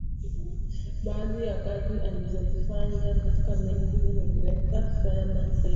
Baadhi ya kazi alizofanya katika meli hizo ni Greaser Fireman Sailor